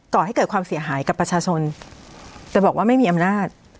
ก่อให้เกิดความเสียหายกับประชาชนแต่บอกว่าไม่มีอำนาจ